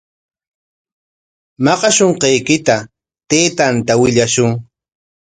Maqashunqaykita taytanta willashun.